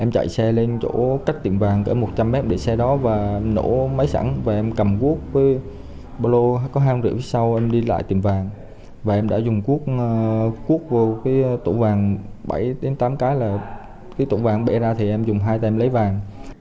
trước đó anh đi lại tiệm vàng và em đã dùng cuốc cuốc vô cái tổng vàng bảy tám cái là cái tổng vàng bể ra thì em dùng hai tay em lấy vàng